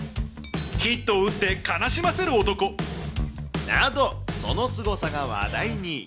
ヒットを打って悲しませる男。など、そのすごさが話題に。